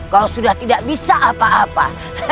kau tidak bisa apa apa